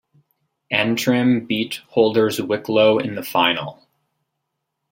Antrim beat holders Wicklow in the final.